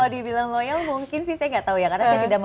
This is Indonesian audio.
kalau dibilang loyal mungkin sih saya nggak tahu ya karena saya tidak mau